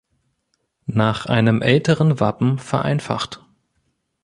Nach einem älteren Wappen vereinfacht.